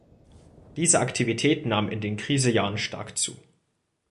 Diese Aktivität nahm in den Krisenjahren stark zu.